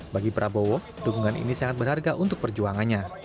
bagi prabowo dukungan ini sangat berharga untuk perjuangannya